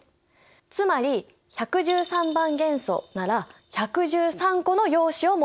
つまり１１３番元素なら１１３個の陽子を持っている。